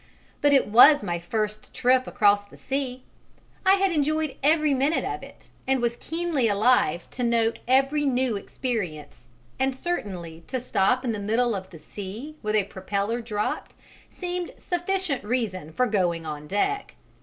But it was my first trip across the sea; I had enjoyed every minute of it and was keenly alive to note every new experience; and certainly to stop in the middle of the sea with a propeller dropped seemed sufficient reason for going on deck.